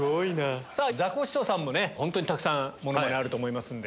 ザコシショウさんも本当にたくさんモノマネあると思いますんで。